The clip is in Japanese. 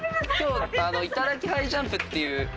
『いただきハイジャンプ』っていうＨｅｙ！